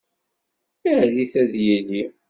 Err-it ad yili.